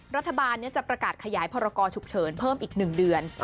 รัฐบาลจะประกาศขยายพรกรฉุกเฉินเพิ่มอีก๑เดือน